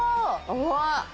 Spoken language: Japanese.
うわ！